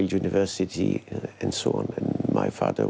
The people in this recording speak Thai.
พ่อคิดจนยังเป็นคนร่วมภัตรุ